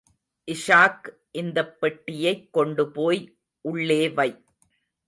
இஷாக், இந்தப் பெட்டியைக் கொண்டு போய் உள்ளேவை.